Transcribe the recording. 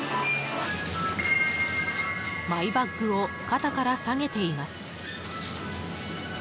マイバッグを肩から提げています。